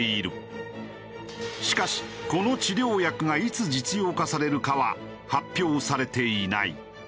しかしこの治療薬がいつ実用化されるかは発表されていない。